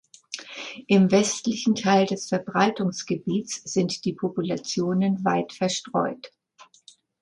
Im westlichen Teil des Verbreitungsgebiets sind die Populationen weit verstreut.